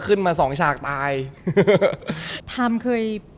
พี่เริ่มมาเป็นอย่างงี้พ่อเป็นอย่างงี้พ่อเป็นอย่างงี้